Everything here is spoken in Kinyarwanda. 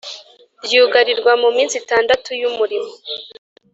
ryugarirwa mu minsi itandatu y umurimo